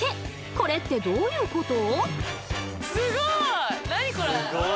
これってどういうこと？